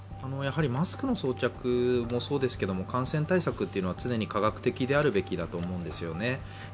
マスクの装着もそうですけど感染対策というのは常に科学的であるべきだと思うんですよね。